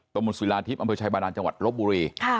ตรงบนสุราณทิพย์อำเภอชายบาดานจังหวัดรบบุรี